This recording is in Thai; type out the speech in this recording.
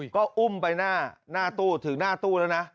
ก็อุ้มไปหน้าตู้ถึงหน้าตู้แล้วนะ